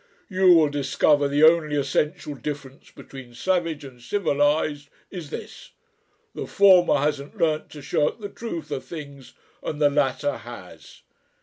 You will discover the only essential difference between savage and civilised is this: The former hasn't learnt to shirk the truth of things, and the latter has.